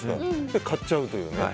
で、買っちゃうというね。